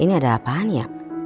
ini ada apaan ya